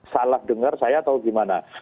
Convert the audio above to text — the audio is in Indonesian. salah dengar saya atau gimana